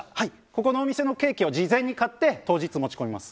ここのお店のケーキを事前に買って、当日持ち込みます。